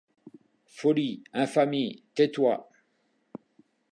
Folie ! infamie ! tais-toi !